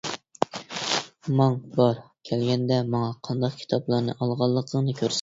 ماڭ بار، كەلگەندە ماڭا قانداق كىتابلارنى ئالغانلىقىڭنى كۆرسەت!